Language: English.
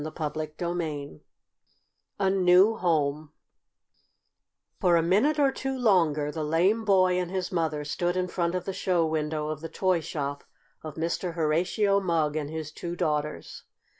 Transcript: CHAPTER VI A NEW HOME For a minute or two longer the lame boy and his mother stood in front of the show window of the toy shop of Mr. Horatio Mugg and his two daughters.